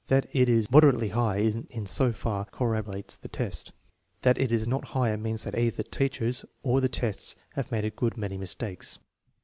That it is moderately high in so far cor* roborates the tests. That it is not higher means that either the teachers or the tests have made a good many mis takes.